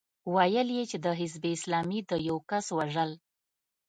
ويې ويل چې د حزب اسلامي د يوه کس وژل.